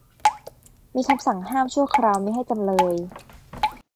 มีคำสั่งห้ามชั่วคราวมิให้จำเลย